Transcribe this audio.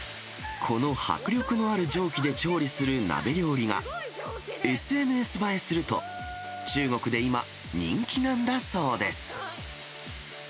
この迫力のある蒸気で調理する鍋料理が、ＳＮＳ映えすると、中国で今、人気なんだそうです。